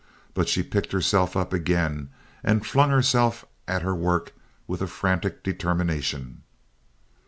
But she picked herself up again and flung herself at her work with a frantic determination.